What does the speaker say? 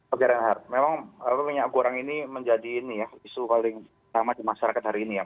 oke reinhardt memang minyak goreng ini menjadi ini ya isu paling lama di masyarakat hari ini ya